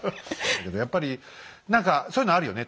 やっぱり何かそういうのあるよね。